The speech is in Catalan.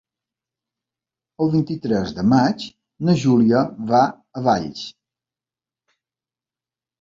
El vint-i-tres de maig na Júlia va a Valls.